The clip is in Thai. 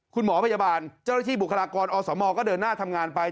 คุณหมอพยาบาลเจ้าหน้าที่บุคลากรอสมก็เดินหน้าทำงานไป